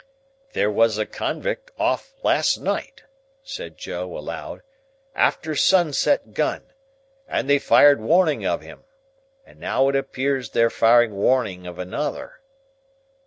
"There was a conwict off last night," said Joe, aloud, "after sunset gun. And they fired warning of him. And now it appears they're firing warning of another."